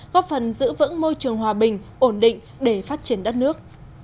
góp phần giữ vững môi trường hòa bình ổn định để phát triển đất nước